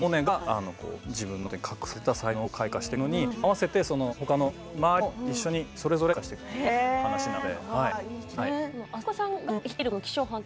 これからモネが自分の隠されていた才能を開花していくのに合わせてほかの周りも一緒にそれぞれ開花していく話なので。